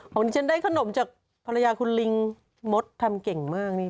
ที่ฉันได้ขนมจากภรรยาคุณลิงมดทำเก่งมากนี่